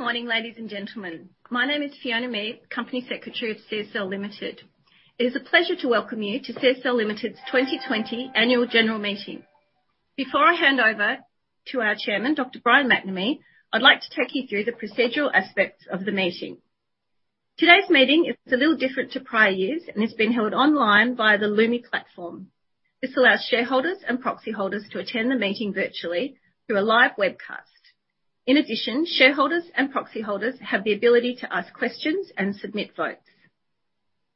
Good morning, ladies and gentlemen. My name is Fiona Mead, Company Secretary of CSL Limited. It is a pleasure to welcome you to CSL Limited's 2020 Annual General Meeting. Before I hand over to our Chairman, Dr. Brian McNamee, I'd like to take you through the procedural aspects of the meeting. Today's meeting is a little different to prior years, and it's being held online via the Lumi platform. This allows shareholders and proxy holders to attend the meeting virtually through a live webcast. In addition, shareholders and proxy holders have the ability to ask questions and submit votes.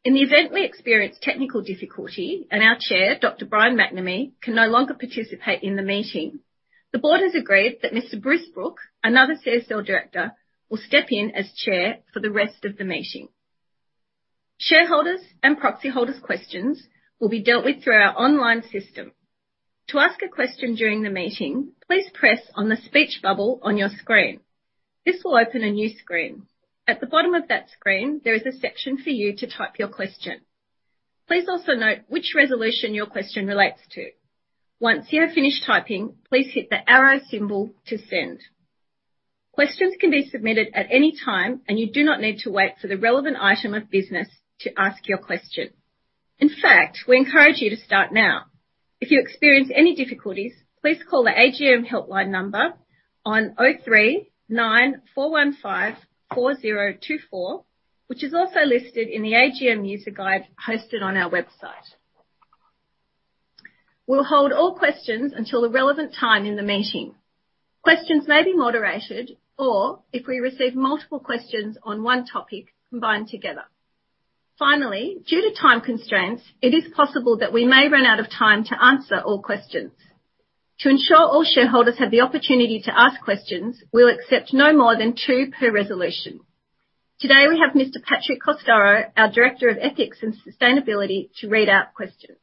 In the event we experience technical difficulty and our Chair, Dr. Brian McNamee, can no longer participate in the meeting, the Board has agreed that Mr. Bruce Brook, another CSL Director, will step in as Chair for the rest of the meeting. Shareholders and proxy holders' questions will be dealt with through our online system. To ask a question during the meeting, please press on the speech bubble on your screen. This will open a new screen. At the bottom of that screen, there is a section for you to type your question. Please also note which resolution your question relates to. Once you have finished typing, please hit the arrow symbol to send. Questions can be submitted at any time, and you do not need to wait for the relevant item of business to ask your question. In fact, we encourage you to start now. If you experience any difficulties, please call the AGM helpline number on 0394154024, which is also listed in the AGM User Guide hosted on our website. We will hold all questions until the relevant time in the meeting. Questions may be moderated or if we receive multiple questions on one topic, combined together. Finally, due to time constraints, it is possible that we may run out of time to answer all questions. To ensure all shareholders have the opportunity to ask questions, we will accept no more than two per resolution. Today, we have Mr. Patrick Castauro, our Director of Ethics and Sustainability, to read out questions.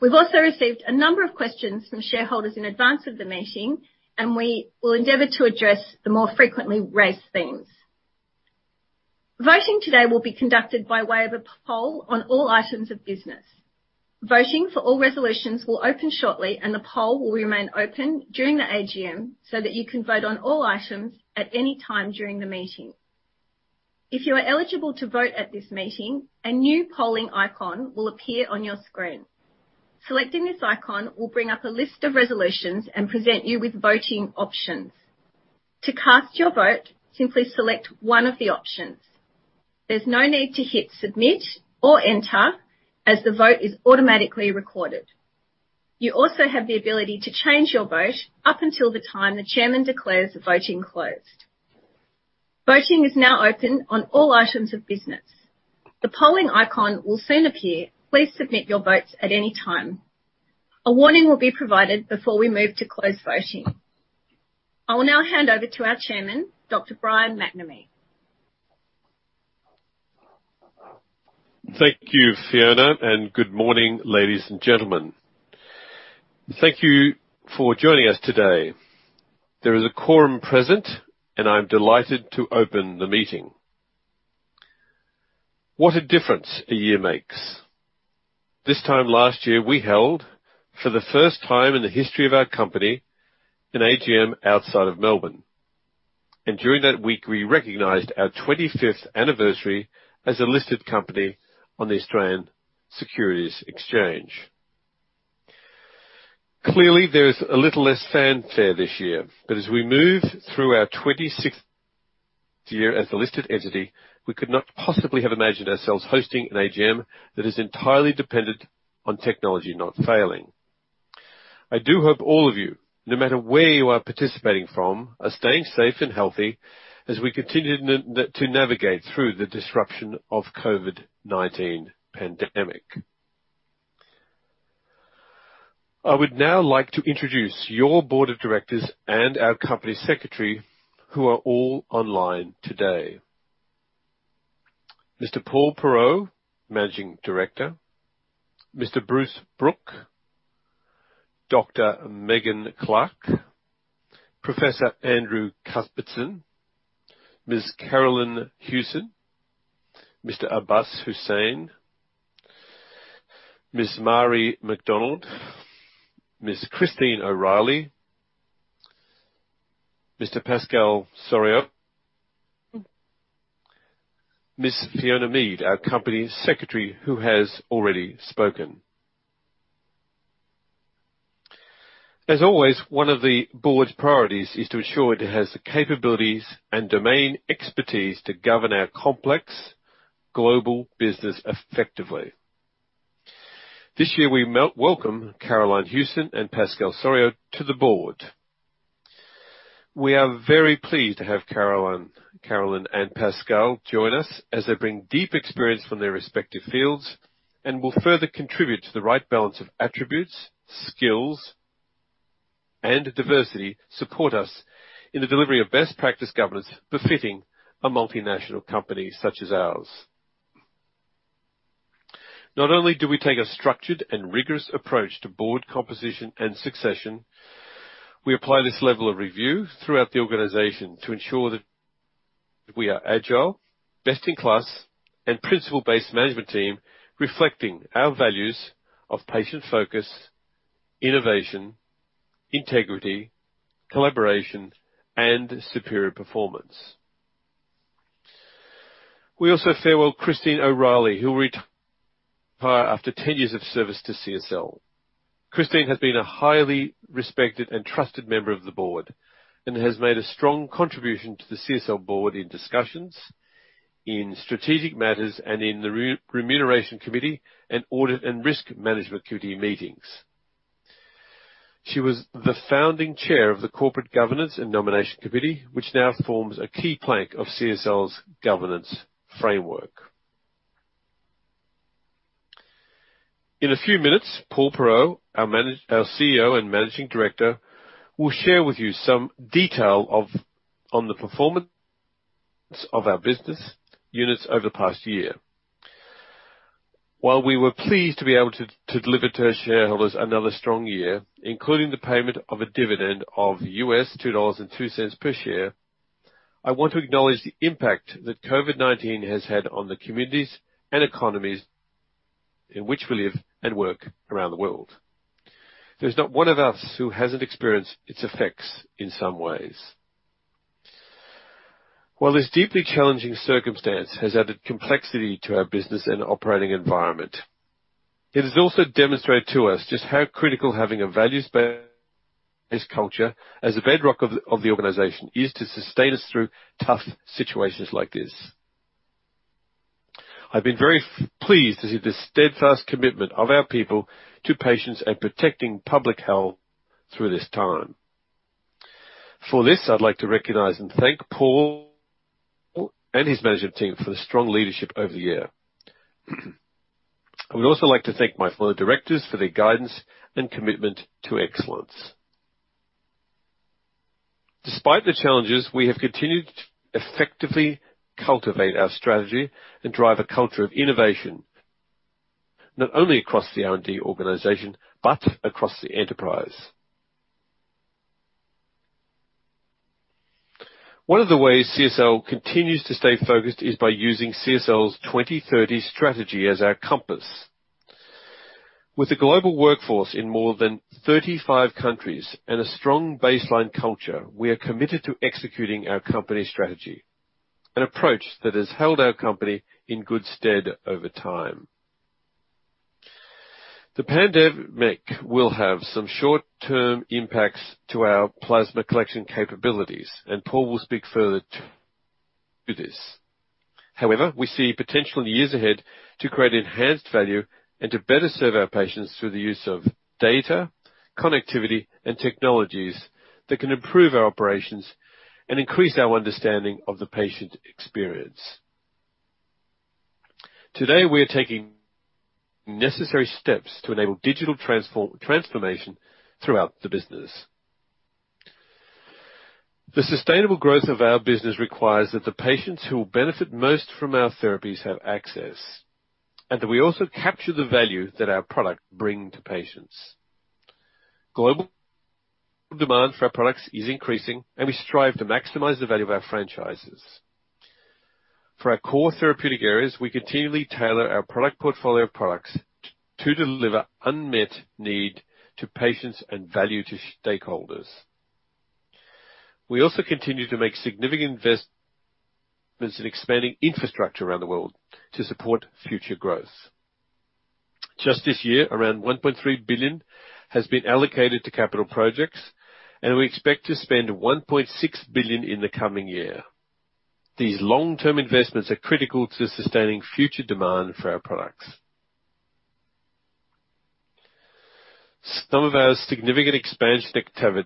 We have also received a number of questions from shareholders in advance of the meeting, and we will endeavor to address the more frequently raised themes. Voting today will be conducted by way of a poll on all items of business. Voting for all resolutions will open shortly, and the poll will remain open during the AGM so that you can vote on all items at any time during the meeting. If you are eligible to vote at this meeting, a new polling icon will appear on your screen. Selecting this icon will bring up a list of resolutions and present you with voting options. To cast your vote, simply select one of the options. There is no need to hit submit or enter as the vote is automatically recorded. You also have the ability to change your vote up until the time the Chairman declares the voting closed. Voting is now open on all items of business. The polling icon will soon appear. Please submit your votes at any time. A warning will be provided before we move to closed voting. I will now hand over to our Chairman, Dr. Brian McNamee. Thank you, Fiona. Good morning, ladies and gentlemen. Thank you for joining us today. There is a quorum present, and I'm delighted to open the meeting. What a difference a year makes. This time last year, we held, for the first time in the history of our company, an AGM outside of Melbourne. During that week, we recognized our 25th anniversary as a listed company on the Australian Securities Exchange. Clearly, there is a little less fanfare this year, but as we move through our 26th year as a listed entity, we could not possibly have imagined ourselves hosting an AGM that is entirely dependent on technology not failing. I do hope all of you, no matter where you are participating from, are staying safe and healthy as we continue to navigate through the disruption of COVID-19 pandemic. I would now like to introduce your Board of Directors and our Company Secretary, who are all online today. Mr. Paul Perreault, Managing Director. Mr. Bruce Brook. Dr. Megan Clark. Professor Andrew Cuthbertson. Ms. Carolyn Hewson. Mr. Abbas Hussein. Ms. Marie McDonald. Ms. Christine O'Reilly. Mr. Pascal Soriot. Ms. Fiona Mead, our Company Secretary, who has already spoken. As always, one of the Board's priorities is to ensure it has the capabilities and domain expertise to govern our complex global business effectively. This year, we welcome Carolyn Hewson and Pascal Soriot to the Board. We are very pleased to have Carolyn and Pascal join us as they bring deep experience from their respective fields and will further contribute to the right balance of attributes, skills, and diversity support us in the delivery of best practice governance befitting a multinational company such as ours. Not only do we take a structured and rigorous approach to Board composition and succession, we apply this level of review throughout the organization to ensure that we are agile, best in class, and principle-based management team, reflecting our values of patient focus-Innovation, integrity, collaboration, and superior performance. We also farewell Christine O'Reilly, who will retire after 10 years of service to CSL. Christine has been a highly respected and trusted member of the Board and has made a strong contribution to the CSL Board in discussions, in strategic matters, and in the Remuneration Committee and Audit and Risk Management Committee meetings. She was the founding Chair of the Corporate Governance and Nomination Committee, which now forms a key plank of CSL's governance framework. In a few minutes, Paul Perreault, our CEO and Managing Director, will share with you some detail on the performance of our business units over the past year. While we were pleased to be able to deliver to our shareholders another strong year, including the payment of a dividend of $2.02 per share, I want to acknowledge the impact that COVID-19 has had on the communities and economies in which we live and work around the world. There's not one of us who hasn't experienced its effects in some ways. While this deeply challenging circumstance has added complexity to our business and operating environment, it has also demonstrated to us just how critical having a values-based culture as the bedrock of the organization is to sustain us through tough situations like this. I've been very pleased to see the steadfast commitment of our people to patients and protecting public health through this time. For this, I'd like to recognize and thank Paul and his management team for the strong leadership over the year. I would also like to thank my fellow Directors for their guidance and commitment to excellence. Despite the challenges, we have continued to effectively cultivate our strategy and drive a culture of innovation, not only across the R&D organization, but across the enterprise. One of the ways CSL continues to stay focused is by using CSL's 2030 Strategy as our compass. With a global workforce in more than 35 countries and a strong baseline culture, we are committed to executing our company strategy, an approach that has held our company in good stead over time. The pandemic will have some short-term impacts to our plasma collection capabilities, and Paul will speak further to this. We see potential in the years ahead to create enhanced value and to better serve our patients through the use of data, connectivity, and technologies that can improve our operations and increase our understanding of the patient experience. Today, we are taking necessary steps to enable digital transformation throughout the business. The sustainable growth of our business requires that the patients who will benefit most from our therapies have access, and that we also capture the value that our product bring to patients. Global demand for our products is increasing, and we strive to maximize the value of our franchises. For our core therapeutic areas, we continually tailor our product portfolio of products to deliver unmet need to patients and value to stakeholders. We also continue to make significant investments in expanding infrastructure around the world to support future growth. Just this year, around $1.3 billion has been allocated to capital projects, and we expect to spend $1.6 billion in the coming year. These long-term investments are critical to sustaining future demand for our products. Some of our significant expansion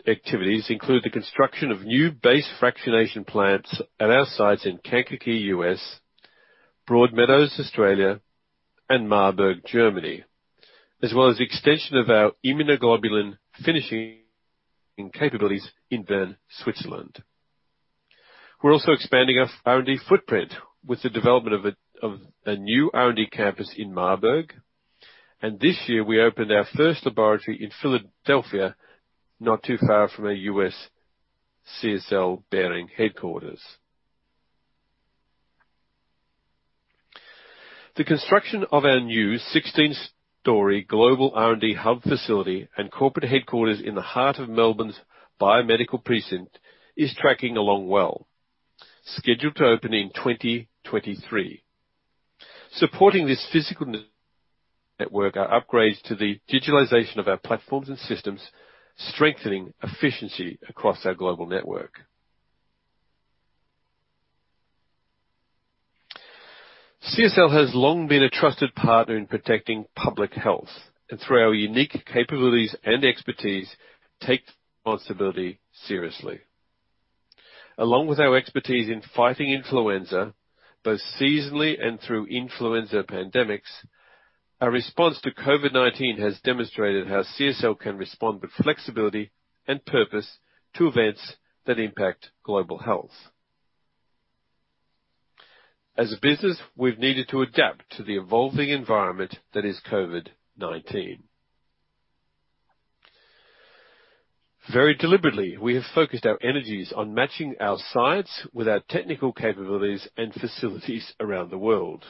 activities include the construction of new base fractionation plants at our sites in Kankakee, U.S., Broadmeadows, Australia, and Marburg, Germany, as well as the extension of our immunoglobulin finishing capabilities in Bern, Switzerland. We're also expanding our R&D footprint with the development of a new R&D campus in Marburg. This year, we opened our first laboratory in Philadelphia, not too far from our U.S. CSL Behring headquarters. The construction of our new 16-story global R&D hub facility and corporate headquarters in the heart of Melbourne's biomedical precinct is tracking along well, scheduled to open in 2023. Supporting this physical network are upgrades to the digitalization of our platforms and systems, strengthening efficiency across our global network. CSL has long been a trusted partner in protecting public health and, through our unique capabilities and expertise, take responsibility seriously. Along with our expertise in fighting influenza, both seasonally and through influenza pandemics, our response to COVID-19 has demonstrated how CSL can respond with flexibility and purpose to events that impact global health. As a business, we've needed to adapt to the evolving environment that is COVID-19. Very deliberately, we have focused our energies on matching our sites with our technical capabilities and facilities around the world.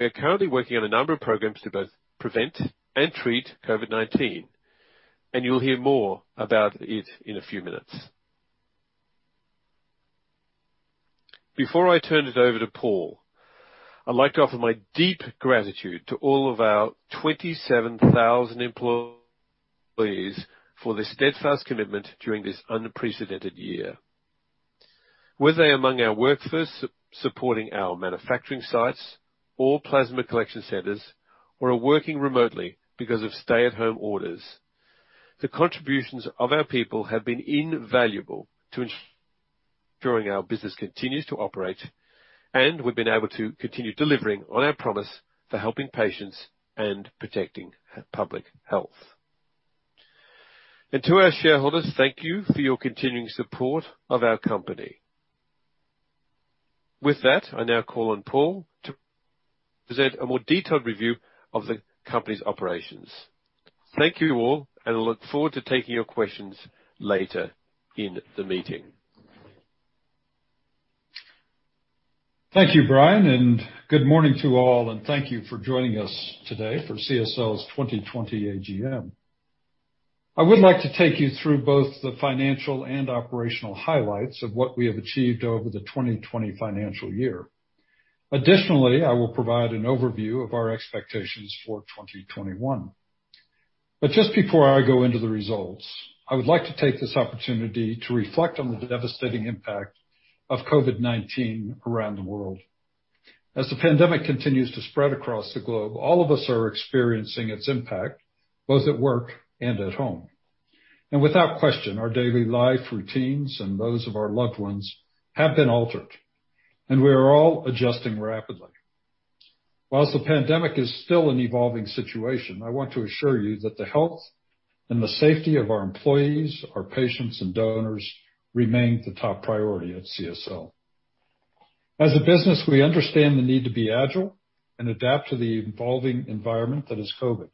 We are currently working on a number of programs to both prevent and treat COVID-19, and you'll hear more about it in a few minutes. Before I turn it over to Paul, I'd like to offer my deep gratitude to all of our 27,000 employees for their steadfast commitment during this unprecedented year. Were they among our workforce supporting our manufacturing sites or plasma collection centers, or are working remotely because of stay-at-home orders, the contributions of our people have been invaluable to ensuring our business continues to operate, and we've been able to continue delivering on our promise for helping patients and protecting public health. To our shareholders, thank you for your continuing support of our company. With that, I now call on Paul to present a more detailed review of the company's operations. Thank you all, and look forward to taking your questions later in the meeting. Thank you, Brian, and good morning to all, and thank you for joining us today for CSL's 2020 AGM. I would like to take you through both the financial and operational highlights of what we have achieved over the 2020 financial year. Additionally, I will provide an overview of our expectations for 2021. Just before I go into the results, I would like to take this opportunity to reflect on the devastating impact of COVID-19 around the world. As the pandemic continues to spread across the globe, all of us are experiencing its impact, both at work and at home. Without question, our daily life routines and those of our loved ones have been altered, and we are all adjusting rapidly. While the pandemic is still an evolving situation, I want to assure you that the health and the safety of our employees, our patients, and donors remain the top priority at CSL. As a business, we understand the need to be agile and adapt to the evolving environment that is COVID.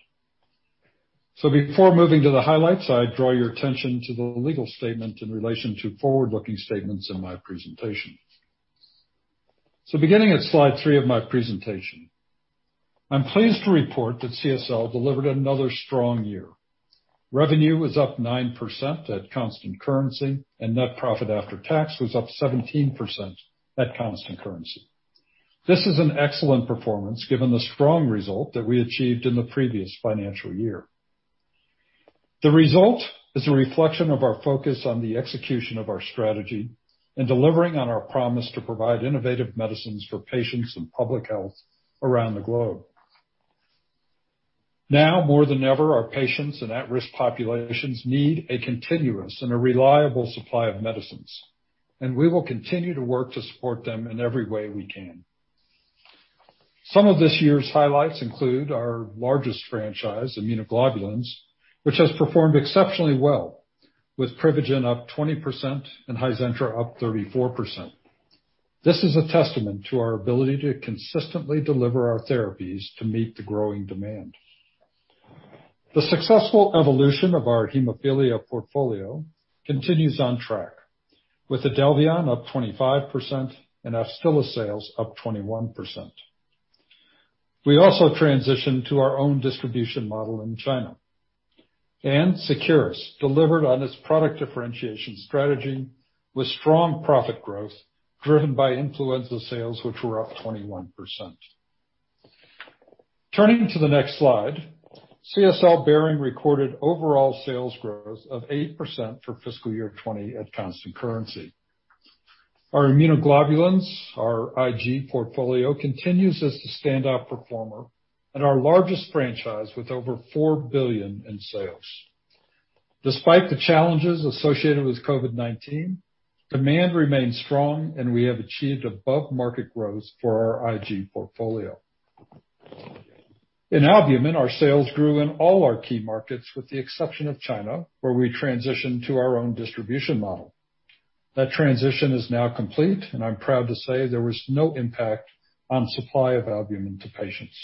Before moving to the highlights, I draw your attention to the legal statement in relation to forward-looking statements in my presentation. Beginning at slide three of my presentation, I'm pleased to report that CSL delivered another strong year. Revenue was up 9% at constant currency, and net profit after tax was up 17% at constant currency. This is an excellent performance given the strong result that we achieved in the previous financial year. The result is a reflection of our focus on the execution of our strategy and delivering on our promise to provide innovative medicines for patients and public health around the globe. Now more than ever, our patients and at-risk populations need a continuous and a reliable supply of medicines, and we will continue to work to support them in every way we can. Some of this year's highlights include our largest franchise, immunoglobulins, which has performed exceptionally well, with PRIVIGEN up 20% and HIZENTRA up 34%. This is a testament to our ability to consistently deliver our therapies to meet the growing demand. The successful evolution of our hemophilia portfolio continues on track, with IDELVION up 21% and AFSTYLA sales up 20%. We also transitioned to our own distribution model in China. Seqirus delivered on its product differentiation strategy with strong profit growth driven by influenza sales, which were up 21%. Turning to the next slide, CSL Behring recorded overall sales growth of 8% for fiscal year 2020 at constant currency. Our immunoglobulins, our IG portfolio, continues as the standout performer and our largest franchise with over $4 billion in sales. Despite the challenges associated with COVID-19, demand remains strong, and we have achieved above-market growth for our IG portfolio. In albumin, our sales grew in all our key markets with the exception of China, where we transitioned to our own distribution model. That transition is now complete, and I'm proud to say there was no impact on supply of albumin to patients.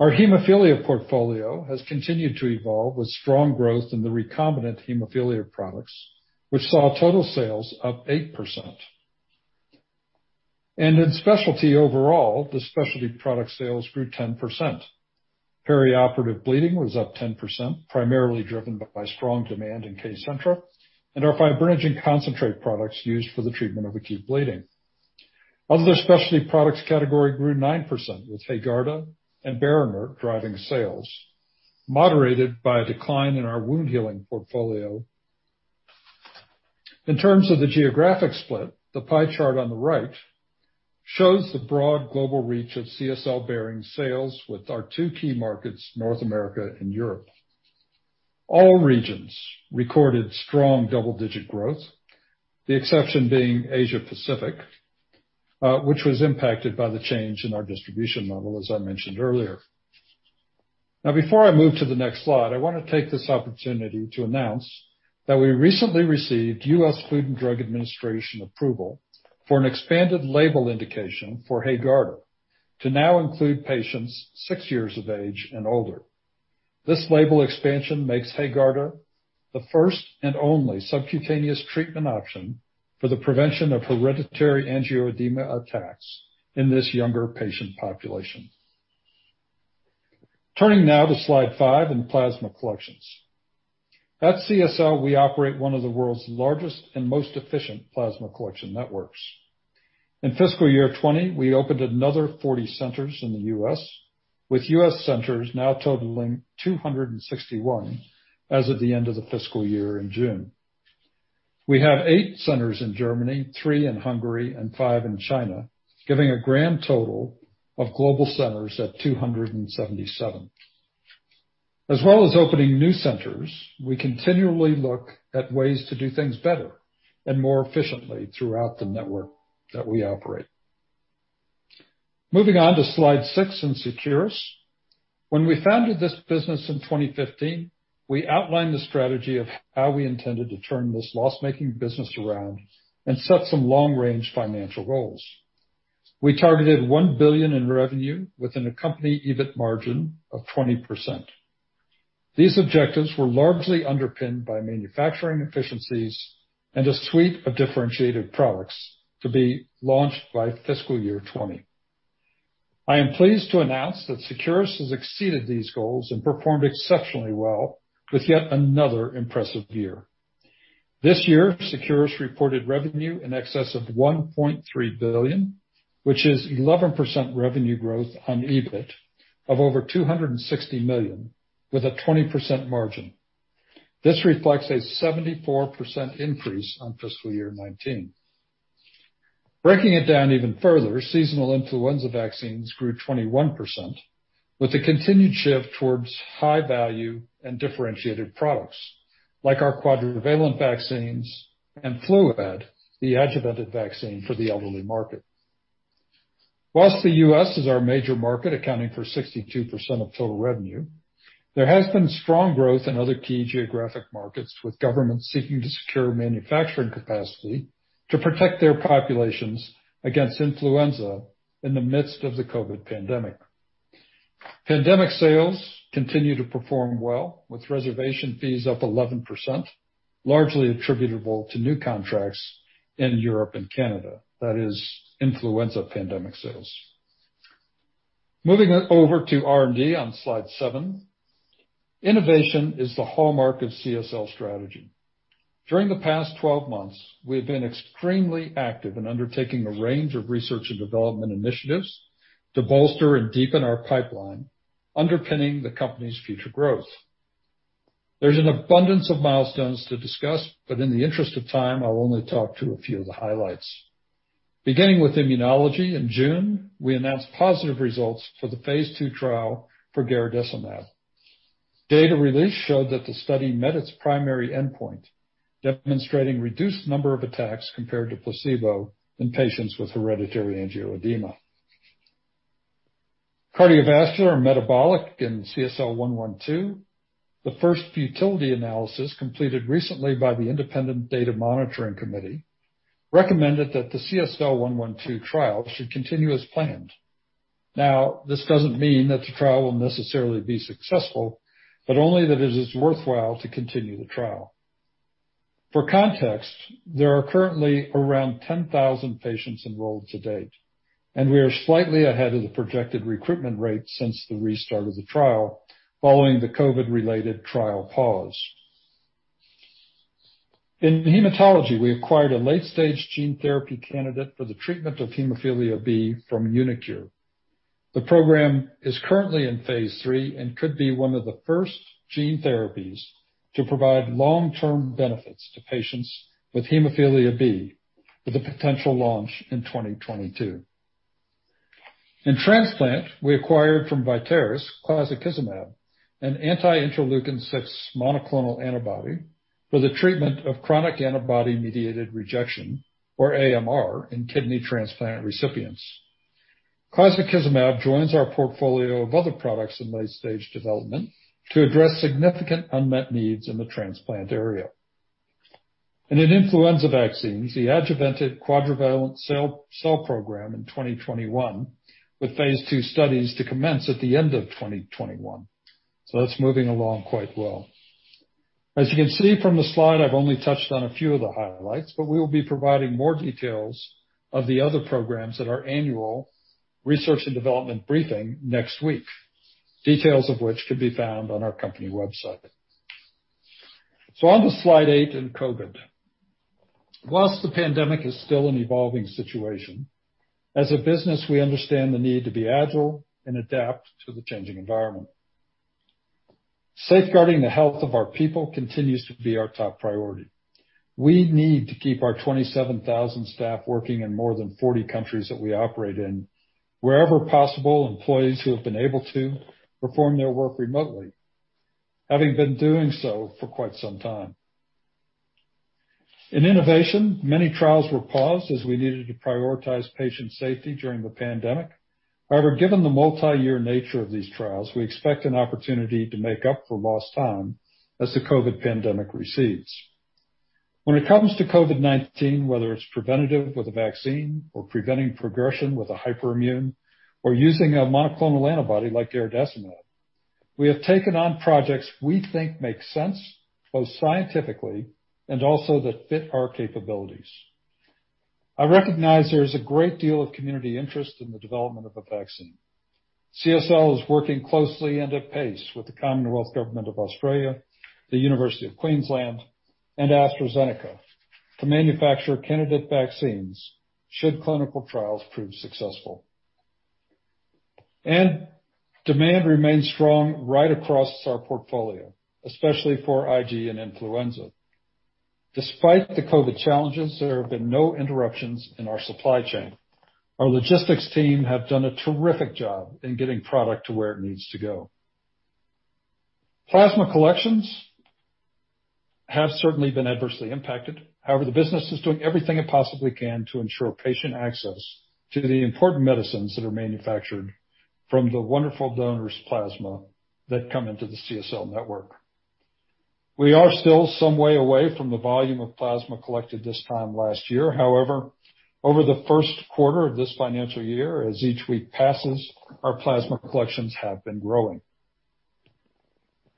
Our hemophilia portfolio has continued to evolve with strong growth in the recombinant hemophilia products, which saw total sales up 8%. In specialty overall, the specialty product sales grew 10%. Perioperative bleeding was up 10%, primarily driven by strong demand in KCENTRA and our fibrinogen concentrate products used for the treatment of acute bleeding. Other specialty products category grew 9%, with HAEGARDA and BERINERT driving sales, moderated by a decline in our wound healing portfolio. In terms of the geographic split, the pie chart on the right shows the broad global reach of CSL Behring sales with our two key markets, North America and Europe. All regions recorded strong double-digit growth, the exception being Asia-Pacific, which was impacted by the change in our distribution model, as I mentioned earlier. Now, before I move to the next slide, I want to take this opportunity to announce that we recently received U.S. Food and Drug Administration approval for an expanded label indication for HAEGARDA to now include patients six years of age and older. This label expansion makes HAEGARDA the first and only subcutaneous treatment option for the prevention of hereditary angioedema attacks in this younger patient population. Turning now to slide five in plasma collections. At CSL, we operate one of the world's largest and most efficient plasma collection networks. In fiscal year 2020, we opened another 40 centers in the U.S., with U.S. centers now totaling 261 as of the end of the fiscal year in June. We have eight centers in Germany, three in Hungary, and five in China, giving a grand total of global centers at 277. As well as opening new centers, we continually look at ways to do things better and more efficiently throughout the network that we operate. Moving on to slide six in Seqirus. When we founded this business in 2015, we outlined the strategy of how we intended to turn this loss-making business around and set some long-range financial goals. We targeted $1 billion in revenue with an accompany EBIT margin of 20%. These objectives were largely underpinned by manufacturing efficiencies and a suite of differentiated products to be launched by FY 2020. I am pleased to announce that Seqirus has exceeded these goals and performed exceptionally well with yet another impressive year. This year, Seqirus reported revenue in excess of $1.3 billion, which is 11% revenue growth on EBIT of over $260 million with a 20% margin. This reflects a 74% increase on FY 2019. Breaking it down even further, seasonal influenza vaccines grew 21% with a continued shift towards high value and differentiated products like our quadrivalent vaccines and FLUAD, the adjuvanted vaccine for the elderly market. The U.S. is our major market, accounting for 62% of total revenue, there has been strong growth in other key geographic markets with governments seeking to secure manufacturing capacity to protect their populations against influenza in the midst of the COVID-19 pandemic. Pandemic sales continue to perform well, with reservation fees up 11%, largely attributable to new contracts in Europe and Canada. That is influenza pandemic sales. Moving over to R&D on slide seven. Innovation is the hallmark of CSL's strategy. During the past 12 months, we have been extremely active in undertaking a range of research and development initiatives to bolster and deepen our pipeline, underpinning the company's future growth. There's an abundance of milestones to discuss, but in the interest of time, I'll only talk to a few of the highlights. Beginning with immunology. In June, we announced positive results for the phase II trial for garadacimab. Data released showed that the study met its primary endpoint, demonstrating reduced number of attacks compared to placebo in patients with hereditary angioedema. Cardiovascular and metabolic in CSL112, the first futility analysis completed recently by the Independent Data Monitoring Committee recommended that the CSL112 trial should continue as planned. Now, this doesn't mean that the trial will necessarily be successful, but only that it is worthwhile to continue the trial. For context, there are currently around 10,000 patients enrolled to date, and we are slightly ahead of the projected recruitment rate since the restart of the trial following the COVID-related trial pause. In hematology, we acquired a late-stage gene therapy candidate for the treatment of hemophilia B from uniQure. The program is currently in phase III and could be one of the first gene therapies to provide long-term benefits to patients with hemophilia B, with a potential launch in 2022. In transplant, we acquired from Vitaeris, clazakizumab, an anti-interleukin-6 monoclonal antibody for the treatment of chronic antibody-mediated rejection, or AMR, in kidney transplant recipients. Clazakizumab joins our portfolio of other products in late-stage development to address significant unmet needs in the transplant area. In influenza vaccines, the adjuvanted quadrivalent cell program in 2021, with phase II studies to commence at the end of 2021. That's moving along quite well. As you can see from the slide, I've only touched on a few of the highlights, but we will be providing more details of the other programs at our annual research and development briefing next week, details of which can be found on our company website. On to slide eight in COVID. While the pandemic is still an evolving situation, as a business, we understand the need to be agile and adapt to the changing environment. Safeguarding the health of our people continues to be our top priority. We need to keep our 27,000 staff working in more than 40 countries that we operate in. Wherever possible, employees who have been able to perform their work remotely, having been doing so for quite some time. In innovation, many trials were paused as we needed to prioritize patient safety during the pandemic. However, given the multi-year nature of these trials, we expect an opportunity to make up for lost time as the COVID pandemic recedes. When it comes to COVID-19, whether it's preventative with a vaccine or preventing progression with a hyperimmune or using a monoclonal antibody like Eridessima, we have taken on projects we think make sense, both scientifically and also that fit our capabilities. I recognize there is a great deal of community interest in the development of a vaccine. CSL is working closely and at pace with the Commonwealth Government of Australia, the University of Queensland, and AstraZeneca to manufacture candidate vaccines should clinical trials prove successful. Demand remains strong right across our portfolio, especially for IG and influenza. Despite the COVID challenges, there have been no interruptions in our supply chain. Our logistics team have done a terrific job in getting product to where it needs to go. Plasma collections have certainly been adversely impacted. However, the business is doing everything it possibly can to ensure patient access to the important medicines that are manufactured from the wonderful donors' plasma that come into the CSL network. We are still some way away from the volume of plasma collected this time last year. However, over the first quarter of this financial year, as each week passes, our plasma collections have been growing.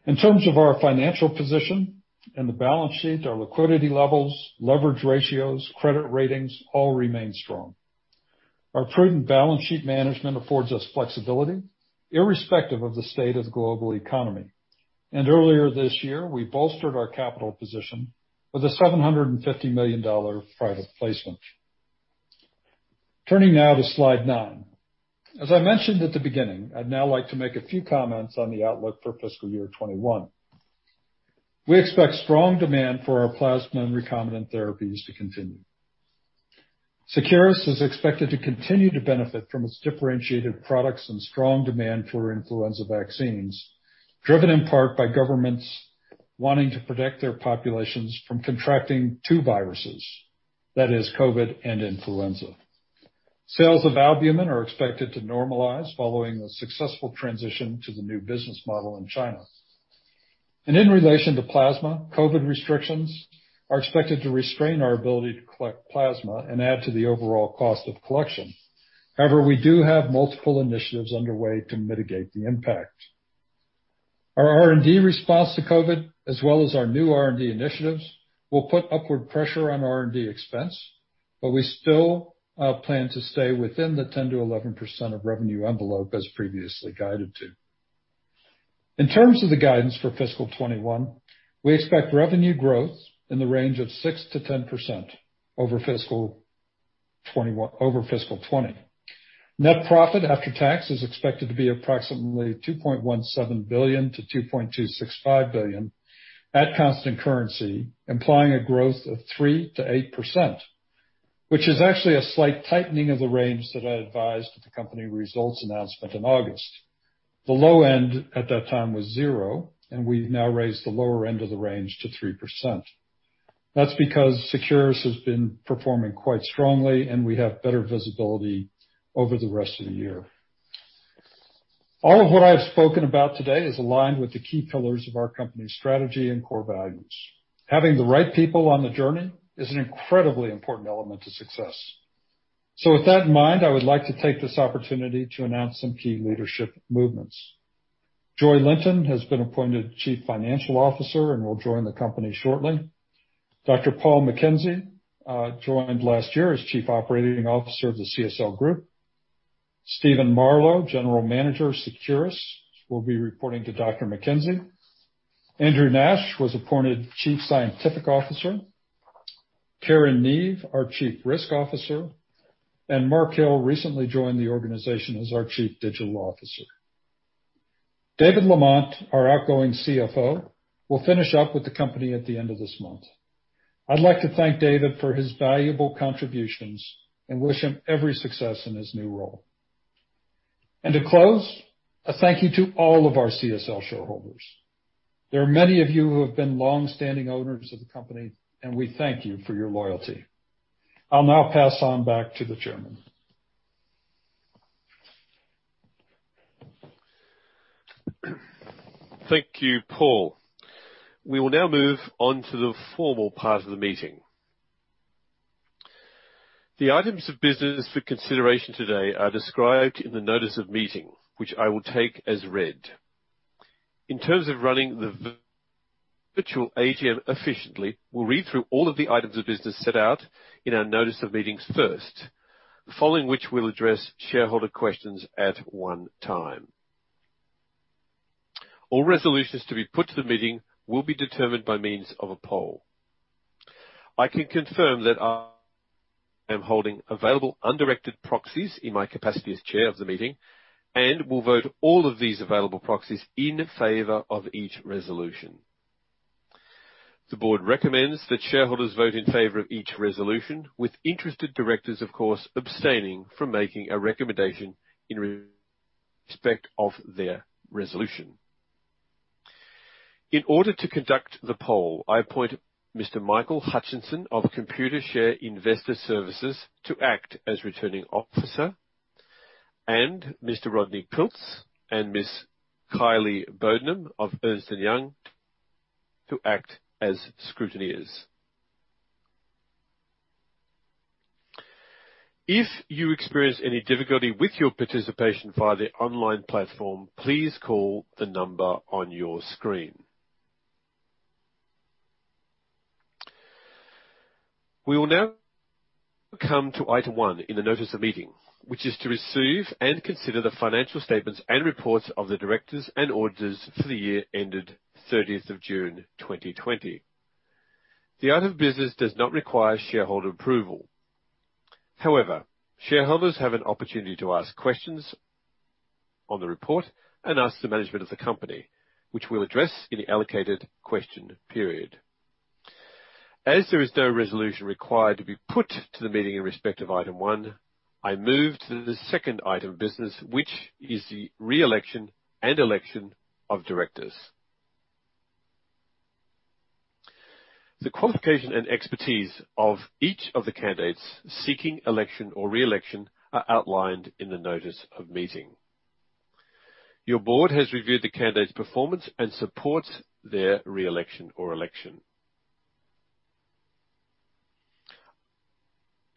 In terms of our financial position and the balance sheet, our liquidity levels, leverage ratios, credit ratings, all remain strong. Our prudent balance sheet management affords us flexibility irrespective of the state of the global economy. Earlier this year, we bolstered our capital position with a $750 million private placement. Turning now to slide nine. As I mentioned at the beginning, I'd now like to make a few comments on the outlook for fiscal year 2021. We expect strong demand for our plasma and recombinant therapies to continue. Seqirus is expected to continue to benefit from its differentiated products and strong demand for influenza vaccines, driven in part by governments wanting to protect their populations from contracting two viruses, that is COVID and influenza. Sales of albumin are expected to normalize following the successful transition to the new business model in China. In relation to plasma, COVID restrictions are expected to restrain our ability to collect plasma and add to the overall cost of collection. However, we do have multiple initiatives underway to mitigate the impact. Our R&D response to COVID, as well as our new R&D initiatives, will put upward pressure on R&D expense, we still plan to stay within the 10%-11% of revenue envelope as previously guided to. In terms of the guidance for fiscal 2021, we expect revenue growth in the range of 6%-10% over fiscal 2020. Net profit after tax is expected to be approximately $2.170 billion-$2.265 billion at constant currency, implying a growth of 3%-8%, which is actually a slight tightening of the range that I advised at the company results announcement in August. The low end at that time was zero, and we've now raised the lower end of the range to 3%. That's because Seqirus has been performing quite strongly, and we have better visibility over the rest of the year. All of what I've spoken about today is aligned with the key pillars of our company's strategy and core values. Having the right people on the journey is an incredibly important element to success. With that in mind, I would like to take this opportunity to announce some key leadership movements. Joy Linton has been appointed Chief Financial Officer and will join the company shortly. Dr. Paul McKenzie joined last year as Chief Operating Officer of the CSL Group. Stephen Marlow, General Manager of Seqirus, will be reporting to Dr. McKenzie. Andrew Nash was appointed Chief Scientific Officer. Karen Neave, our Chief Risk Officer, and Mark Hill recently joined the organization as our Chief Digital Officer. David Lamont, our outgoing CFO, will finish up with the company at the end of this month. I'd like to thank David for his valuable contributions and wish him every success in his new role. To close, a thank you to all of our CSL shareholders. There are many of you who have been longstanding owners of the company, and we thank you for your loyalty. I'll now pass on back to the Chairman. Thank you, Paul. We will now move on to the formal part of the meeting. The items of business for consideration today are described in the Notice of Meeting, which I will take as read. In terms of running the virtual AGM efficiently, we'll read through all of the items of business set out in our Notice of Meeting first, following which we'll address shareholder questions at one time. All resolutions to be put to the meeting will be determined by means of a poll. I can confirm that I am holding available undirected proxies in my capacity as Chair of the meeting and will vote all of these available proxies in favor of each resolution. The Board recommends that shareholders vote in favor of each resolution with interested Directors, of course, abstaining from making a recommendation in respect of their resolution. In order to conduct the poll, I appoint Mr. Michael Hutchinson of Computershare Investor Services to act as Returning Officer, and Mr. Rodney Piltz and Ms. Kylie Bodenham of Ernst & Young to act as scrutineers. If you experience any difficulty with your participation via the online platform, please call the number on your screen. We will now come to item one in the Notice of Meeting, which is to receive and consider the financial statements and reports of the Directors and Auditors for the year ended 30th of June 2020. The item of business does not require shareholder approval. However, shareholders have an opportunity to ask questions on the report and ask the management of the company, which we will address in the allocated question period. As there is no resolution required to be put to the meeting in respect of item one, I move to the second item of business, which is the re-election and election of Directors. The qualification and expertise of each of the candidates seeking election or re-election are outlined in the Notice of Meeting. Your Board has reviewed the candidates' performance and supports their re-election or election.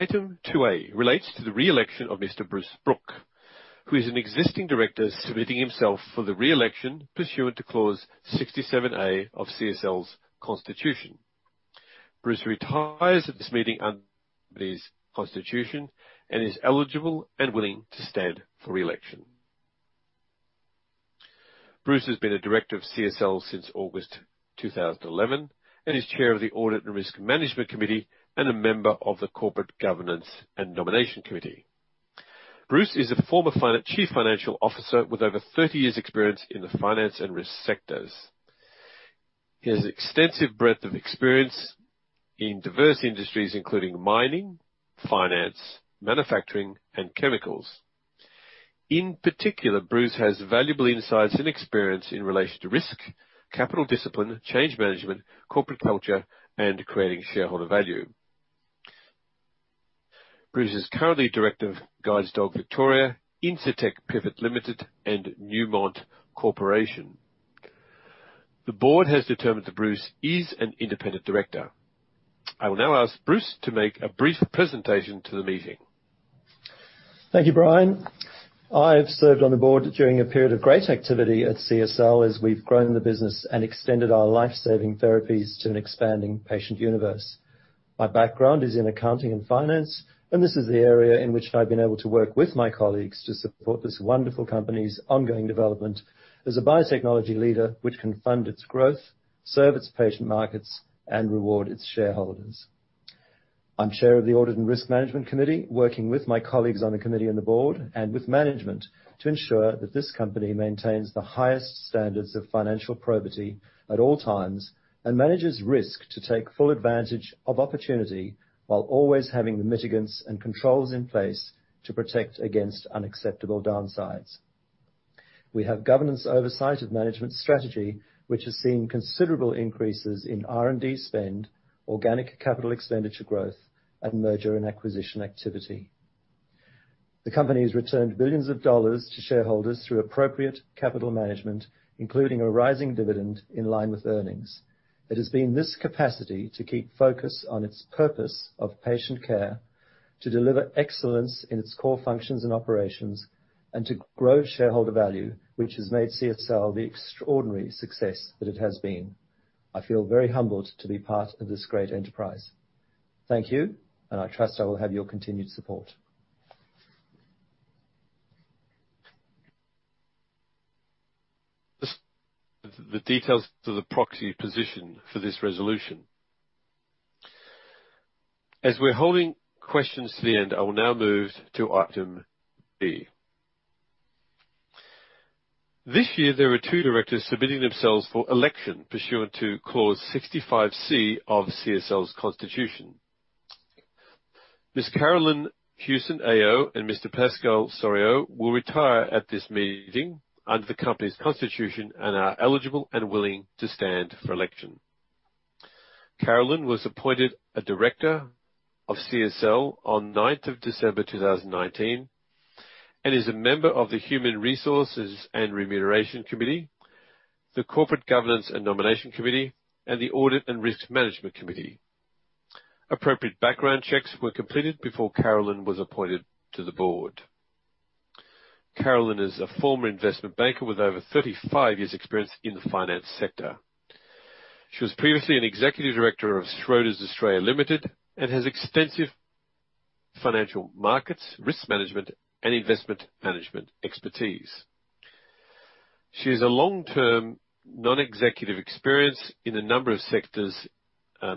Item 2A relates to the re-election of Mr. Bruce Brook, who is an existing Director submitting himself for the re-election pursuant to Clause 67A of CSL's Constitution. Bruce retires at this meeting under his Constitution and is eligible and willing to stand for re-election. Bruce has been a Director of CSL since August 2011 and is Chair of the Audit and Risk Management Committee and a member of the Corporate Governance and Nomination Committee. Bruce is a former Chief Financial Officer with over 30 years' experience in the finance and risk sectors. He has extensive breadth of experience in diverse industries, including mining, finance, manufacturing, and chemicals. In particular, Bruce has valuable insights and experience in relation to risk, capital discipline, change management, corporate culture, and creating shareholder value. Bruce is currently Director of Guide Dogs Victoria, Incitec Pivot Limited, and Newmont Corporation. The Board has determined that Bruce is an independent Director. I will now ask Bruce to make a brief presentation to the meeting. Thank you, Brian. I've served on the Board during a period of great activity at CSL as we've grown the business and extended our life-saving therapies to an expanding patient universe. My background is in accounting and finance. This is the area in which I've been able to work with my colleagues to support this wonderful company's ongoing development as a biotechnology leader which can fund its growth, serve its patient markets, and reward its shareholders. I'm Chair of the Audit and Risk Management Committee, working with my colleagues on the committee and the Board and with management to ensure that this company maintains the highest standards of financial probity at all times and manages risk to take full advantage of opportunity while always having the mitigants and controls in place to protect against unacceptable downsides. We have governance oversight of management strategy, which has seen considerable increases in R&D spend, organic capital expenditure growth, and merger and acquisition activity. The company's returned billions of AUD to shareholders through appropriate capital management, including a rising dividend in line with earnings. It has been this capacity to keep focus on its purpose of patient care, to deliver excellence in its core functions and operations, and to grow shareholder value, which has made CSL the extraordinary success that it has been. I feel very humbled to be part of this great enterprise. Thank you, and I trust I will have your continued support. The details to the proxy position for this resolution. As we're holding questions to the end, I will now move to item B. This year, there are two Directors submitting themselves for election pursuant to Clause 65C of CSL's Constitution. Ms. Carolyn Hewson AO and Mr. Pascal Soriot will retire at this meeting under the company's constitution and are eligible and willing to stand for election. Carolyn was appointed a Director of CSL on 9th of December 2019 and is a member of the Human Resources and Remuneration Committee, the Corporate Governance and Nomination Committee, and the Audit and Risk Management Committee. Appropriate background checks were completed before Carolyn was appointed to the Board. Carolyn is a former investment banker with over 35 years' experience in the finance sector. She was previously an Executive Director of Schroders Australia Limited and has extensive financial markets, risk management, and investment management expertise. She has a long-term non-executive experience in a number of sectors,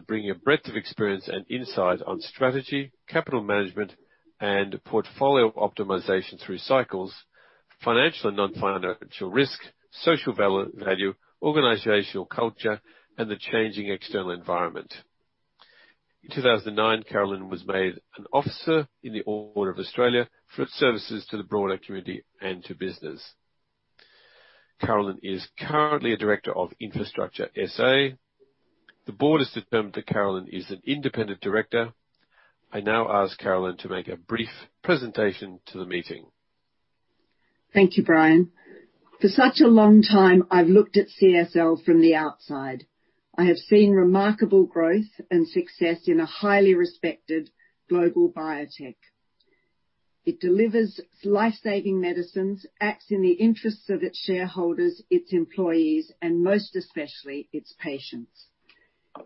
bringing a breadth of experience and insight on strategy, capital management, and portfolio optimization through cycles, financial and non-financial risk, social value, organizational culture, and the changing external environment. In 2009, Carolyn was made an Officer of the Order of Australia for services to the broader community and to business. Carolyn is currently a Director of Infrastructure SA. The Board has determined that Carolyn is an independent Director. I now ask Carolyn to make a brief presentation to the meeting. Thank you, Brian. For such a long time, I've looked at CSL from the outside. I have seen remarkable growth and success in a highly respected global biotech. It delivers life-saving medicines, acts in the interests of its shareholders, its employees, and most especially, its patients.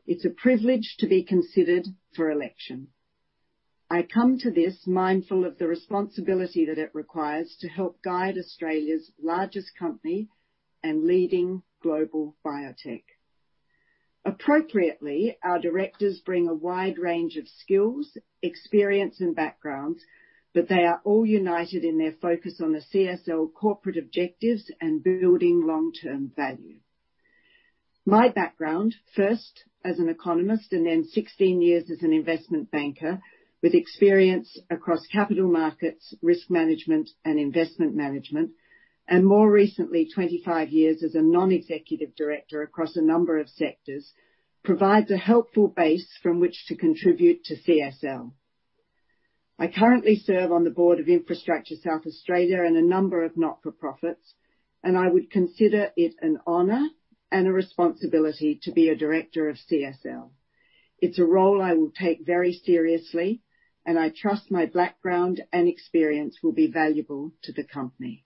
It's a privilege to be considered for election. I come to this mindful of the responsibility that it requires to help guide Australia's largest company and leading global biotech. Appropriately, our Directors bring a wide range of skills, experience and backgrounds, but they are all united in their focus on the CSL corporate objectives and building long-term value. My background, first as an economist and then 16 years as an investment banker with experience across capital markets, risk management and investment management, and more recently, 25 years as a Non-Executive Director across a number of sectors, provides a helpful base from which to contribute to CSL. I currently serve on the Board of Infrastructure South Australia and a number of not-for-profits, and I would consider it an honor and a responsibility to be a Director of CSL. It's a role I will take very seriously, and I trust my background and experience will be valuable to the company.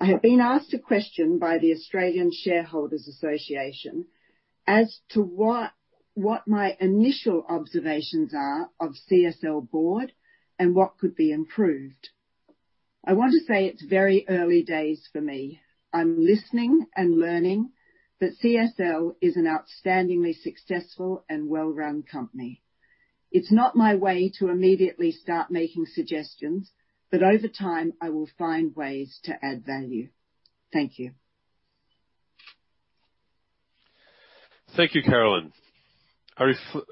I have been asked a question by the Australian Shareholders' Association as to what my initial observations are of CSL Board and what could be improved. I want to say it's very early days for me. I'm listening and learning that CSL is an outstandingly successful and well-run company. It's not my way to immediately start making suggestions, but over time, I will find ways to add value. Thank you. Thank you, Carolyn. I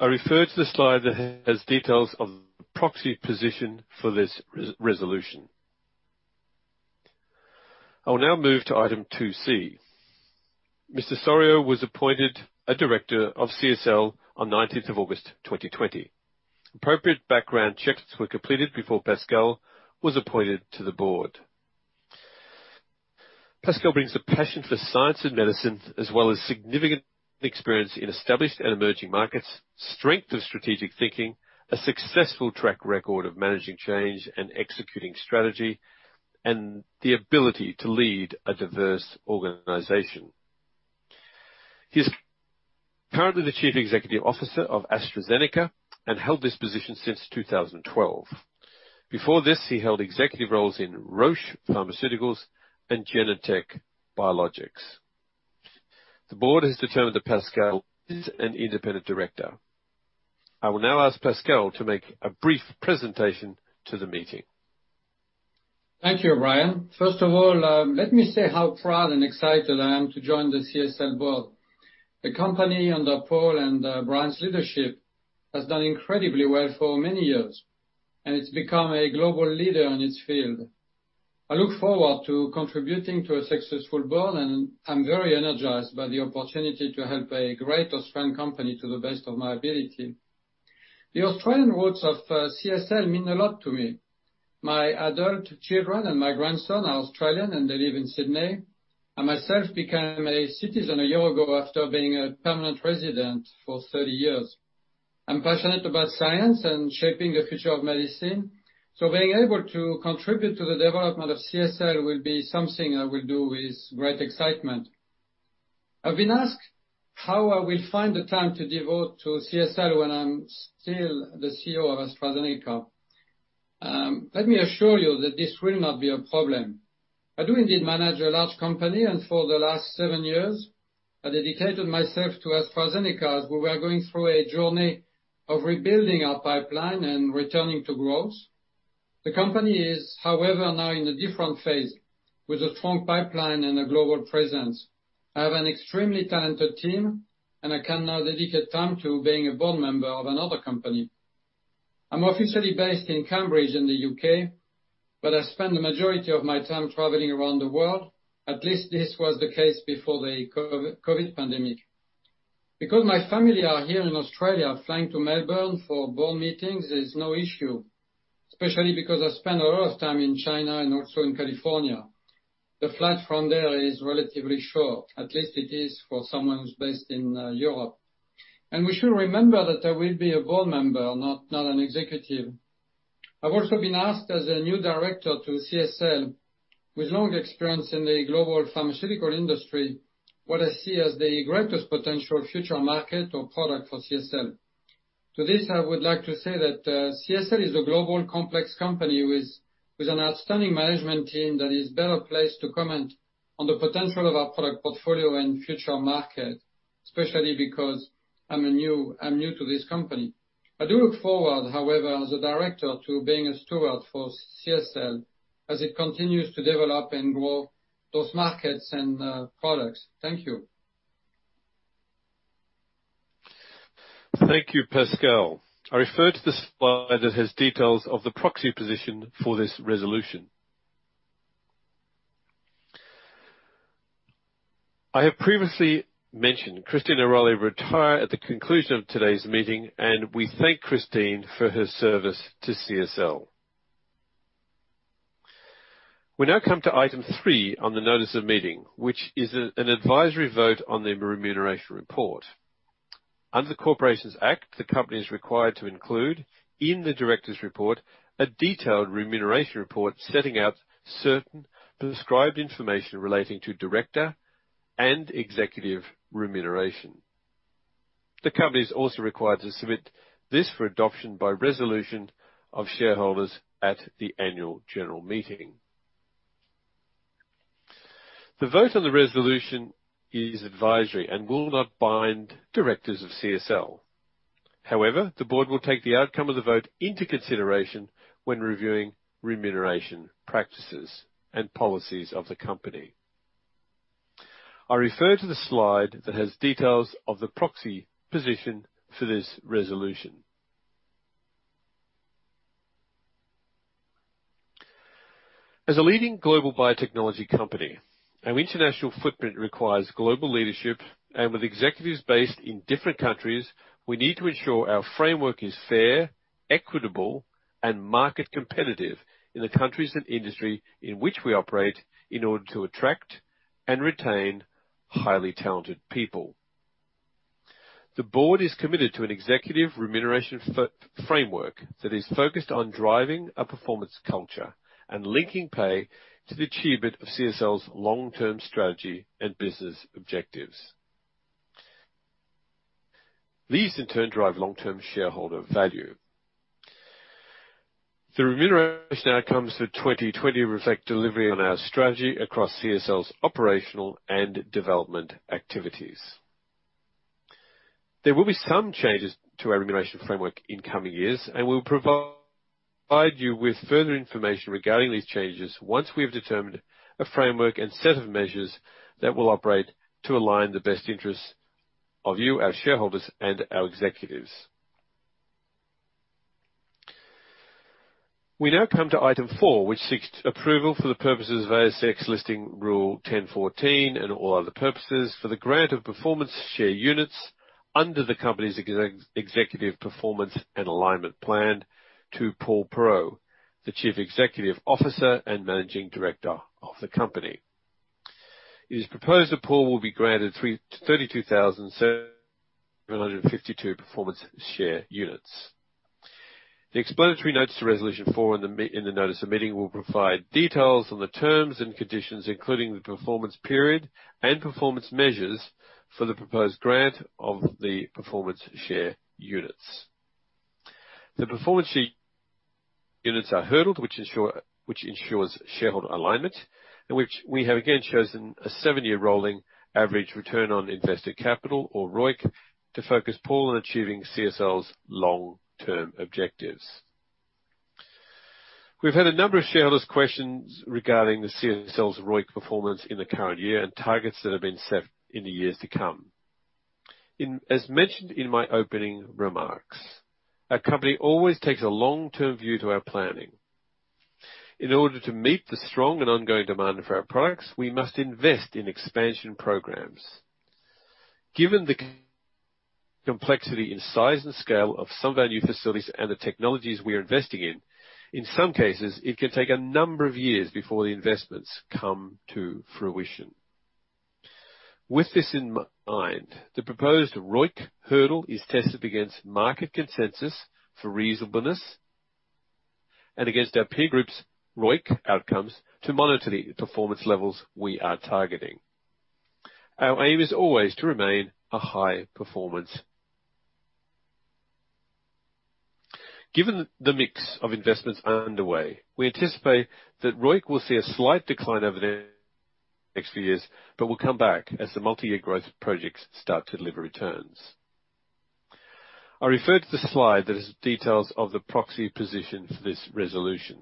refer to the slide that has details of the proxy position for this resolution. I will now move to item 2C. Mr. Soriot was appointed a Director of CSL on 19th of August 2020. Appropriate background checks were completed before Pascal was appointed to the Board. Pascal brings a passion for science and medicine, as well as significant experience in established and emerging markets, strength of strategic thinking, a successful track record of managing change and executing strategy, and the ability to lead a diverse organization. He's currently the Chief Executive Officer of AstraZeneca and held this position since 2012. Before this, he held executive roles in Roche Pharmaceuticals and Genentech Biologics. The Board has determined that Pascal is an independent Director. I will now ask Pascal to make a brief presentation to the meeting. Thank you, Brian. First of all, let me say how proud and excited I am to join the CSL Board. The company, under Paul and Brian's leadership, has done incredibly well for many years, and it's become a global leader in its field. I look forward to contributing to a successful Board, and I'm very energized by the opportunity to help a great Australian company to the best of my ability. The Australian roots of CSL mean a lot to me. My adult children and my grandson are Australian, and they live in Sydney. I myself became a citizen a year ago after being a permanent resident for 30 years. I'm passionate about science and shaping the future of medicine, so being able to contribute to the development of CSL will be something I will do with great excitement. I've been asked how I will find the time to devote to CSL when I'm still the CEO of AstraZeneca. Let me assure you that this will not be a problem. I do indeed manage a large company, and for the last seven years, I dedicated myself to AstraZeneca as we were going through a journey of rebuilding our pipeline and returning to growth. The company is, however, now in a different phase, with a strong pipeline and a global presence. I have an extremely talented team, and I can now dedicate time to being a Board member of another company. I'm officially based in Cambridge in the U.K., but I spend the majority of my time traveling around the world. At least this was the case before the COVID-19 pandemic. Because my family are here in Australia, flying to Melbourne for Board meetings is no issue, especially because I spend a lot of time in China and also in California. The flight from there is relatively short. At least it is for someone who's based in Europe. We should remember that I will be a Board member, not an executive. I've also been asked as a new Director to CSL, with long experience in the global pharmaceutical industry, what I see as the greatest potential future market or product for CSL. To this, I would like to say that CSL is a global, complex company with an outstanding management team that is better placed to comment on the potential of our product portfolio and future market, especially because I'm new to this company. I do look forward, however, as a Director, to being a steward for CSL as it continues to develop and grow those markets and products. Thank you. Thank you, Pascal. I refer to the slide that has details of the proxy position for this resolution. I have previously mentioned Christine O'Reilly will retire at the conclusion of today's meeting, and we thank Christine for her service to CSL. We now come to item three on the Notice of Meeting, which is an advisory vote on the remuneration report. Under the Corporations Act, the company is required to include in the Directors' report a detailed Remuneration Report setting out certain prescribed information relating to Director and executive remuneration. The company is also required to submit this for adoption by resolution of shareholders at the Annual General Meeting. The vote on the resolution is advisory and will not bind Directors of CSL. However, the Board will take the outcome of the vote into consideration when reviewing remuneration practices and policies of the company. I refer to the slide that has details of the proxy position for this resolution. As a leading global biotechnology company, our international footprint requires global leadership. With executives based in different countries, we need to ensure our framework is fair, equitable, and market competitive in the countries and industry in which we operate in order to attract and retain highly talented people. The Board is committed to an executive remuneration framework that is focused on driving a performance culture and linking pay to the achievement of CSL's long-term strategy and business objectives. These in turn drive long-term shareholder value. The remuneration outcomes for 2020 reflect delivery on our strategy across CSL's operational and development activities. There will be some changes to our remuneration framework in coming years, and we'll provide you with further information regarding these changes once we have determined a framework and set of measures that will operate to align the best interests of you, our shareholders, and our executives. We now come to item four, which seeks approval for the purposes of ASX Listing Rule 1014 and all other purposes for the grant of performance share units under the company's Executive Performance and Alignment Plan to Paul Perreault, the Chief Executive Officer and Managing Director of the company. It is proposed that Paul will be granted 32,752 Performance Share Units. The Explanatory Notes to resolution four in the Notice of Meeting will provide details on the terms and conditions, including the performance period and performance measures for the proposed grant of the Performance Share Units. The Performance Share Units are hurdled, which ensures shareholder alignment and which we have again chosen a seven-year rolling average return on invested capital, or ROIC, to focus Paul on achieving CSL's long-term objectives. We've had a number of shareholders' questions regarding the CSL's ROIC performance in the current year and targets that have been set in the years to come. As mentioned in my opening remarks, our company always takes a long-term view to our planning. In order to meet the strong and ongoing demand for our products, we must invest in expansion programs. Given the complexity in size and scale of some of our new facilities and the technologies we are investing in some cases, it can take a number of years before the investments come to fruition. With this in mind, the proposed ROIC hurdle is tested against market consensus for reasonableness and against our peer group's ROIC outcomes to monitor the performance levels we are targeting. Our aim is always to remain a high performance. Given the mix of investments underway, we anticipate that ROIC will see a slight decline over the next few years but will come back as the multi-year growth projects start to deliver returns. I refer to the slide that has details of the proxy position for this resolution.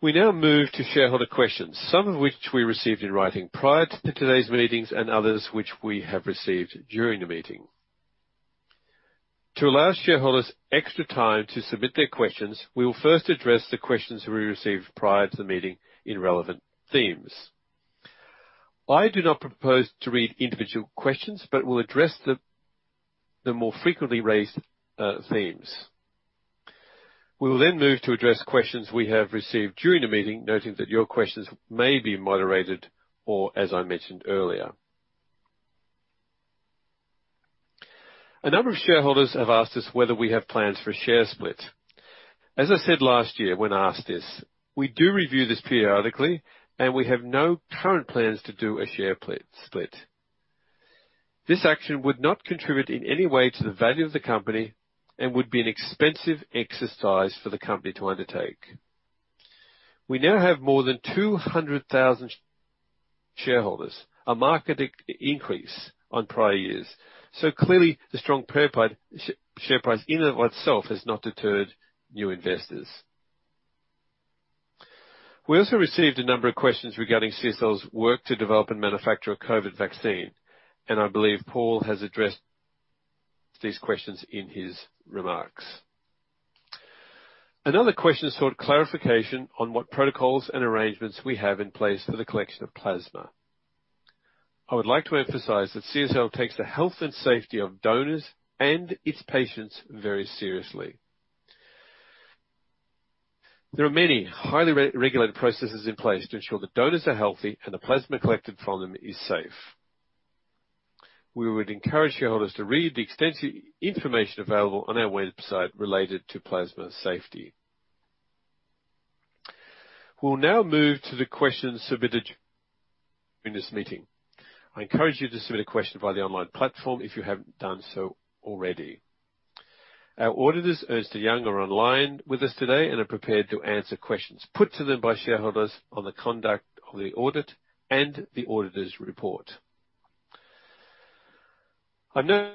We now move to shareholder questions, some of which we received in writing prior to today's meetings and others which we have received during the meeting. To allow shareholders extra time to submit their questions, we will first address the questions that we received prior to the meeting in relevant themes. I do not propose to read individual questions but will address the more frequently raised themes. We will then move to address questions we have received during the meeting, noting that your questions may be moderated or as I mentioned earlier. A number of shareholders have asked us whether we have plans for a share split. As I said last year when asked this, we do review this periodically, and we have no current plans to do a share split. This action would not contribute in any way to the value of the company and would be an expensive exercise for the company to undertake. We now have more than 200,000 shareholders, a market increase on prior years. Clearly the strong share price in and of itself has not deterred new investors. We also received a number of questions regarding CSL's work to develop and manufacture a COVID-19 vaccine, and I believe Paul has addressed these questions in his remarks. Another question sought clarification on what protocols and arrangements we have in place for the collection of plasma. I would like to emphasize that CSL takes the health and safety of donors and its patients very seriously. There are many highly regulated processes in place to ensure that donors are healthy and the plasma collected from them is safe. We would encourage shareholders to read the extensive information available on our website related to plasma safety. We'll now move to the questions submitted in this meeting. I encourage you to submit a question via the online platform if you haven't done so already. Our auditors, Ernst & Young, are online with us today and are prepared to answer questions put to them by shareholders on the conduct of the audit and the Auditor's report. I'm now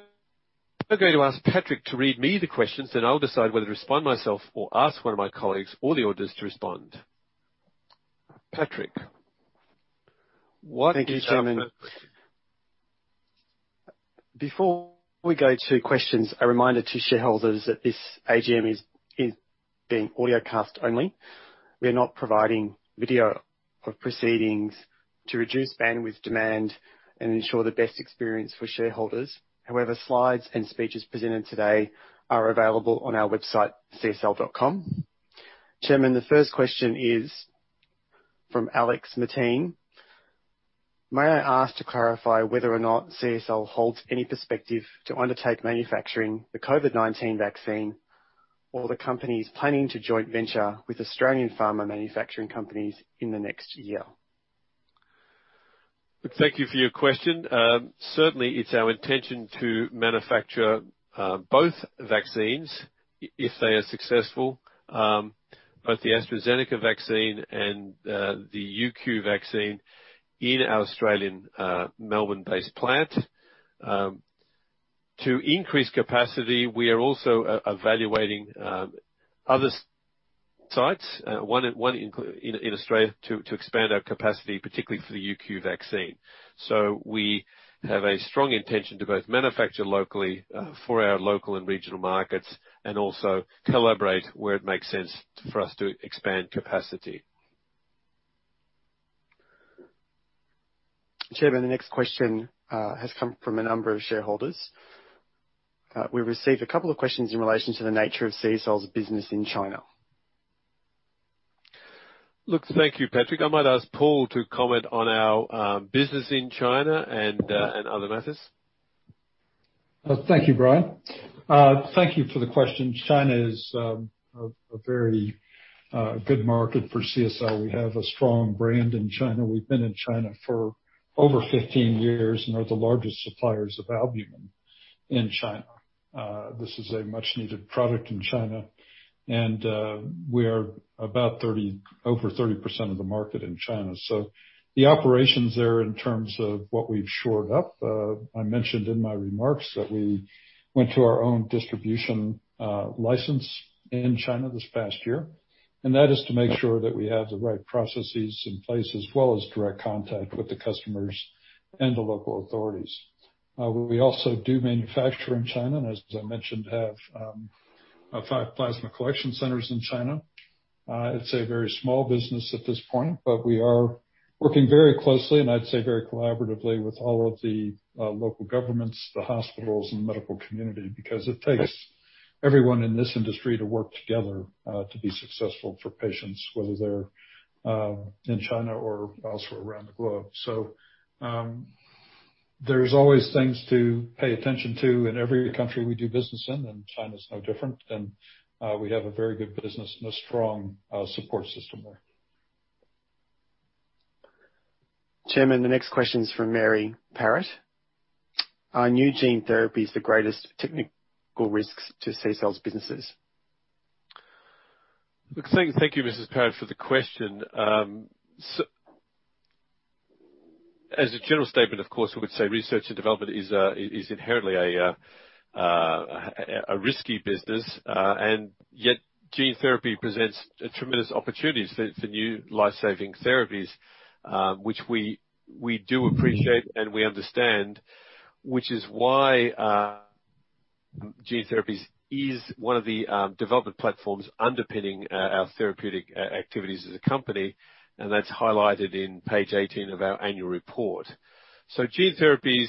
going to ask Patrick to read me the questions, then I'll decide whether to respond myself or ask one of my colleagues or the auditors to respond. Patrick, what is our first question? Thank you, Chairman. Before we go to questions, a reminder to shareholders that this AGM is being audiocast only. We are not providing video of proceedings to reduce bandwidth demand and ensure the best experience for shareholders. However, slides and speeches presented today are available on our website, csl.com. Chairman, the first question is from Alex Mateen. May I ask to clarify whether or not CSL holds any perspective to undertake manufacturing the COVID-19 vaccine, or the company's planning to joint venture with Australian pharma manufacturing companies in the next year? Thank you for your question. Certainly, it's our intention to manufacture both vaccines if they are successful, both the AstraZeneca vaccine and the UQ vaccine in our Australian Melbourne-based plant. To increase capacity, we are also evaluating other sites, one in Australia, to expand our capacity, particularly for the UQ vaccine. We have a strong intention to both manufacture locally for our local and regional markets and also collaborate where it makes sense for us to expand capacity. Chairman, the next question has come from a number of shareholders. We received a couple of questions in relation to the nature of CSL's business in China. Look, thank you, Patrick. I might ask Paul to comment on our business in China and other matters. Thank you, Brian. Thank you for the question. China is a very good market for CSL. We have a strong brand in China. We've been in China for over 15 years and are the largest suppliers of albumin in China. This is a much-needed product in China, and we are over 30% of the market in China. The operations there, in terms of what we've shored up, I mentioned in my remarks that we went to our own distribution license in China this past year, and that is to make sure that we have the right processes in place, as well as direct contact with the customers and the local authorities. We also do manufacture in China, and as I mentioned, have five plasma collection centers in China. It's a very small business at this point. We are working very closely and I'd say very collaboratively with all of the local governments, the hospitals, and the medical community, because it takes everyone in this industry to work together, to be successful for patients, whether they're in China or elsewhere around the globe. There's always things to pay attention to in every country we do business in, and China's no different. We have a very good business and a strong support system there. Chairman, the next question's from Mary Parrot. Are new gene therapies the greatest technical risks to CSL's businesses? Thank you, Mrs. Parrot, for the question. As a general statement, of course, we would say research and development is inherently a risky business, and yet gene therapy presents tremendous opportunities for new life-saving therapies, which we do appreciate and we understand, which is why gene therapies is one of the development platforms underpinning our therapeutic activities as a company, and that's highlighted on page 18 of our Annual Report. Gene therapies,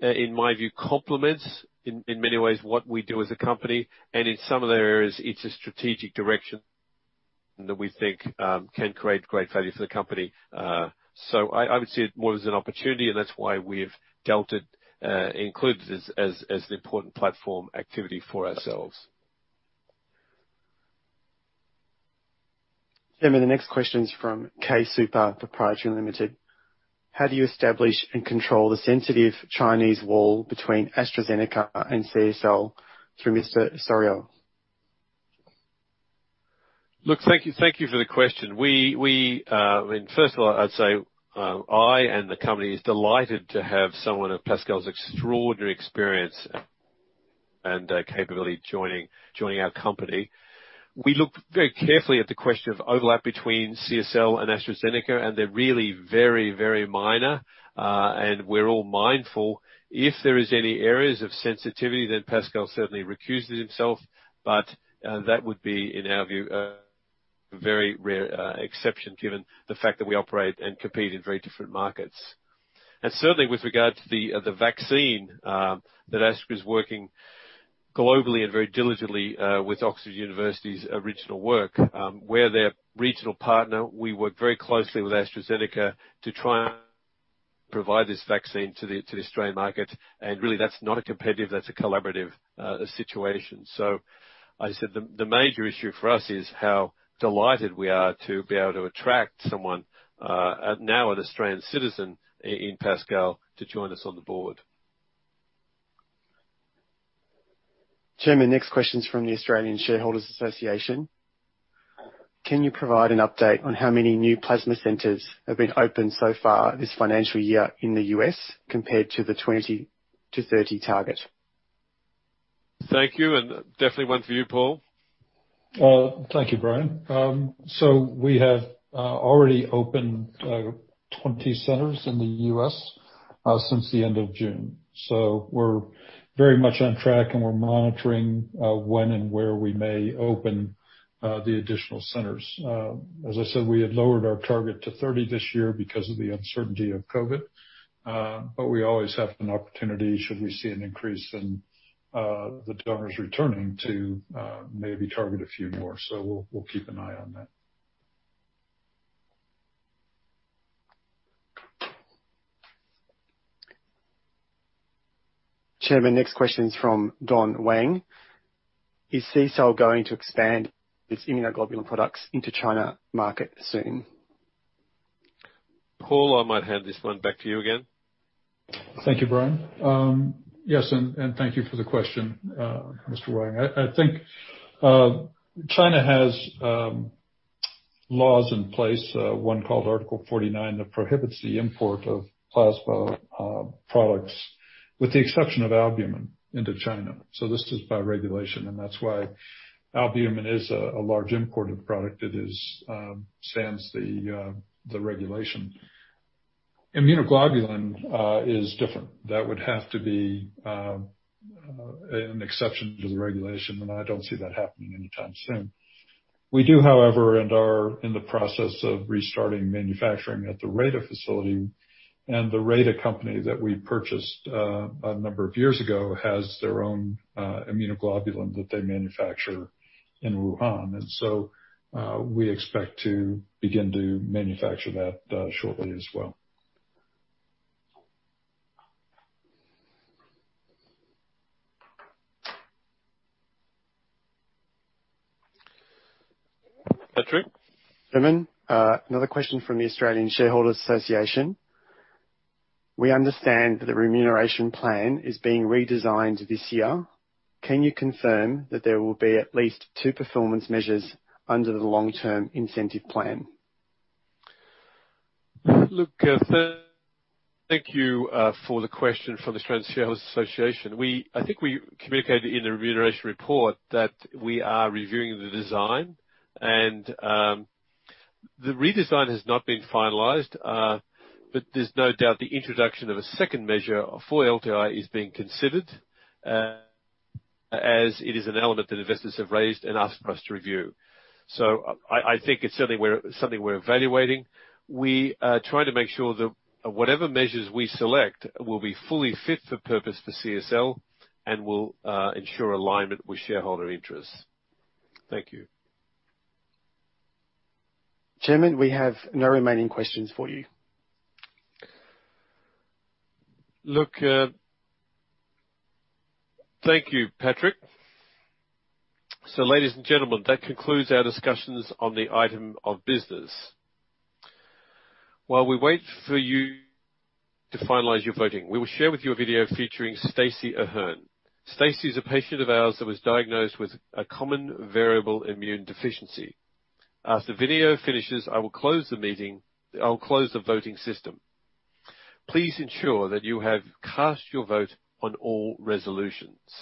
in my view, complements in many ways what we do as a company and in some of their areas, it's a strategic direction that we think can create great value for the company. I would see it more as an opportunity, and that's why we've included it as an important platform activity for ourselves. Chairman, the next question is from CareSuper Proprietary Limited. How do you establish and control the sensitive Chinese wall between AstraZeneca and CSL through Mr. Soriot? Look, thank you for the question. First of all, I'd say, I and the company is delighted to have someone of Pascal's extraordinary experience and capability joining our company. We look very carefully at the question of overlap between CSL and AstraZeneca. They're really very minor. We're all mindful if there is any areas of sensitivity, then Pascal certainly recuses himself. That would be, in our view, a very rare exception given the fact that we operate and compete in very different markets. Certainly with regard to the vaccine, that Astra is working globally and very diligently, with Oxford University's original work. We're their regional partner. We work very closely with AstraZeneca to try and provide this vaccine to the Australian market, really, that's not a competitive, that's a collaborative situation. I said the major issue for us is how delighted we are to be able to attract someone, now an Australian citizen, as Pascal, to join us on the Board. Chairman, next question is from the Australian Shareholders' Association. Can you provide an update on how many new plasma centers have been opened so far this financial year in the U.S. compared to the 20-30 target? Thank you, and definitely one for you, Paul. Thank you, Brian. We have already opened 20 centers in the U.S. since the end of June. We're very much on track, and we're monitoring when and where we may open the additional centers. As I said, we have lowered our target to 30 this year because of the uncertainty of COVID. We always have an opportunity should we see an increase in the donors returning to maybe target a few more. We'll keep an eye on that. Chairman, next question is from Don Wang. Is CSL going to expand its immunoglobulin products into China market soon? Paul, I might hand this one back to you again. Thank you, Brian. Yes, thank you for the question, Mr. Wang. I think China has laws in place, one called Article 49, that prohibits the import of plasma products, with the exception of albumin, into China. This is by regulation, and that's why albumin is a large imported product that stands the regulation. Immunoglobulin is different. That would have to be an exception to the regulation, and I don't see that happening anytime soon. We do, however, and are in the process of restarting manufacturing at the Ruide facility. The Ruide company that we purchased a number of years ago has their own immunoglobulin that they manufacture in Wuhan. We expect to begin to manufacture that shortly as well. Patrick. Chairman, another question from the Australian Shareholders' Association. We understand that the remuneration plan is being redesigned this year. Can you confirm that there will be at least two performance measures under the long-term incentive plan? Look, thank you for the question from the Australian Shareholders' Association. I think we communicated in the remuneration report that we are reviewing the design. The redesign has not been finalized, but there's no doubt the introduction of a second measure for LTI is being considered, as it is an element that investors have raised and asked for us to review. I think it's something we're evaluating. We are trying to make sure that whatever measures we select will be fully fit for purpose for CSL and will ensure alignment with shareholder interests. Thank you. Chairman, we have no remaining questions for you. Look, thank you, Patrick. So ladies and gentlemen, that concludes our discussions on the item of business. While we wait for you to finalize your voting, we will share with you a video featuring Stacy Ahern. Stacy is a patient of ours that was diagnosed with a common variable immune deficiency. As the video finishes, I will close the voting system. Please ensure that you have cast your vote on all resolutions.